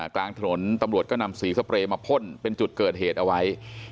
กลางถนนตำรวจก็นำสีสเปรย์มาพ่นเป็นจุดเกิดเหตุเอาไว้